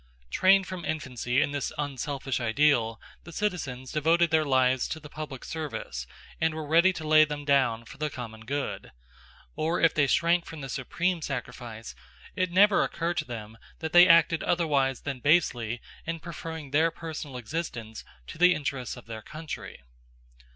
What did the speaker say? Trained from infancy in this unselfish ideal, the citizens devoted their lives to the public service and were ready to lay them down for the common good; or if they shrank from the supreme sacrifice, it never occurred to them that they acted otherwise than basely in preferring their personal existence to the interests of their country.